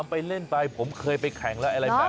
ฮ่ามไปเล่นไปผมเคยไปแข่งละอะไรแบบนี้